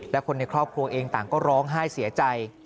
และคนในครอบครัวเองต่างก็ร้องไห้เสียใจ